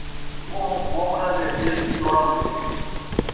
مون٘ہہ مومناں دے ، دل چوراں دے